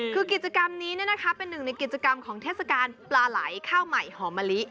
คือกิจกรรมนี้เป็นหนึ่งในกิจกรรมของเทศกาลปลาไหลข้าวใหม่หอมมะลิ